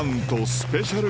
スペシャル